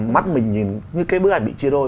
mắt mình nhìn như cái bức ảnh bị chia đôi